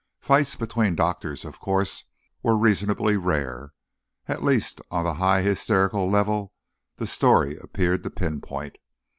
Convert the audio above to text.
Fights between doctors, of course, were reasonably rare, at least on the high hysterical level the story appeared to pinpoint.